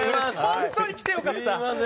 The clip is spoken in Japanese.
本当に来てよかった。